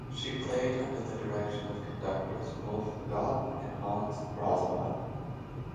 She played under the direction of conductors Rolf Agop and Hans Rosbaud.